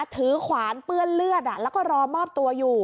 ขวานเปื้อนเลือดแล้วก็รอมอบตัวอยู่